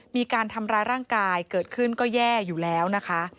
มีการทำร้ายร่างกายเกิดขึ้นก็แย่อยู่แล้วนะคะ